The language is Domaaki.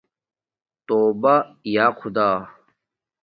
توبہ یݳ خدا